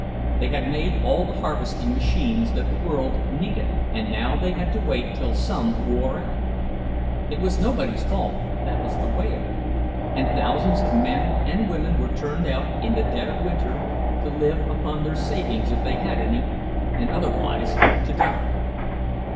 They had made all the harvesting machines that the world needed, and now they had to wait till some wore out! It was nobody's fault—that was the way of it; and thousands of men and women were turned out in the dead of winter, to live upon their savings if they had any, and otherwise to die.